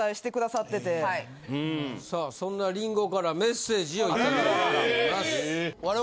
さあそんなリンゴからメッセージを頂いております。